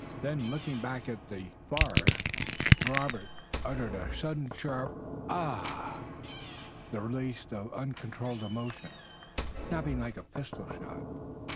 Then looking back at the forest Robert uttered a sudden sharp, Ah! the release of uncontrollable emotion, snapping like a pistol shot.